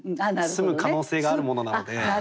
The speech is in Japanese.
澄む可能性があるものなので。